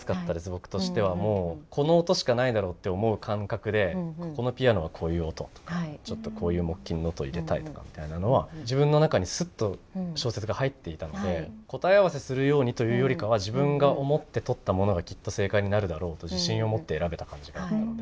僕としてはもうこの音しかないだろうって思う感覚でここのピアノはこういう音とかちょっとこういう木琴の音入れたいとかみたいなのは自分の中にすっと小説が入っていたので答え合わせするようにというよりかは自分が思ってとったものがきっと正解になるだろうと自信を持って選べた感じがあったので。